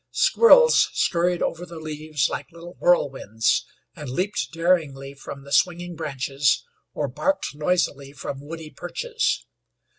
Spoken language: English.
Squirrels scurried over the leaves like little whirlwinds, and leaped daringly from the swinging branches or barked noisily from woody perches.